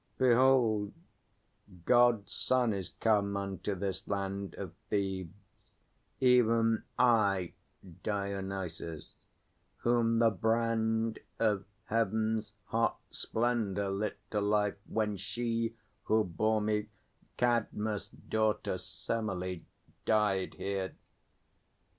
Behold, God's Son is come unto this land Of Thebes, even I, Dionysus, whom the brand Of heaven's hot splendour lit to life, when she Who bore me, Cadmus' daughter Semelê, Died here.